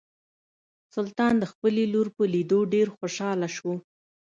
سلطان د خپلې لور په لیدو ډیر خوشحاله شو.